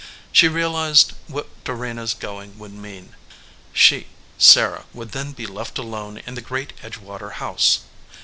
She realized what Dorena s going would mean. She, Sarah, would then be left alone in the great Edge water house.